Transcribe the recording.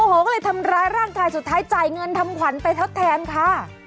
โอ้โหก็เลยทำร้ายร่างกายสุดท้ายจ่ายเงินทำขวัญไปทดแทนค่ะ